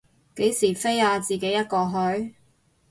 幾時飛啊，自己一個去？